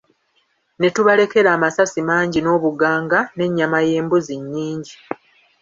Ne tubalekera amasasi mangi n'obuganga, n'ennyama y'embuzi nnyingi.